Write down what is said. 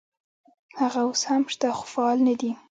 هغه اوس هم شته خو فعال نه دي.